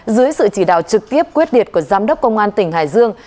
dưới sự chỉ đạo trực tiếp quyết liệt của giám đốc công an tỉnh hải dương